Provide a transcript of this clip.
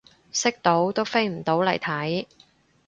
識到都飛唔到嚟睇